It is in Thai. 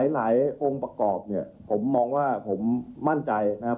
องค์ประกอบเนี่ยผมมองว่าผมมั่นใจนะครับ